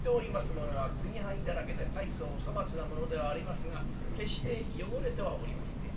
ものは継ぎはぎだらけで大層粗末なものではありますが決して汚れてはおりません。